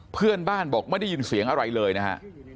เพื่อนบ้านบอกไม่ได้ยินเสียงอะไรเลยนะฮะ